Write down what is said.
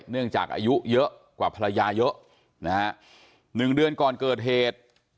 เนื่องจากอายุเยอะกว่าภรรยาเยอะนะฮะ๑เดือนก่อนเกิดเหตุ